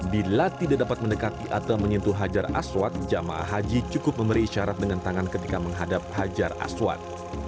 bila tidak dapat mendekati atau menyentuh hajar aswad jemaah haji cukup memberi isyarat dengan tangan ketika menghadap hajar aswad